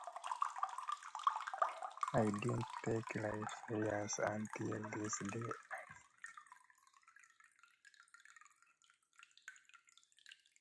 She contributed story papers for small pay to Boston.